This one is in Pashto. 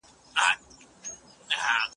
چاپیریال ساتنه یوازې د حکومت کار نه دی.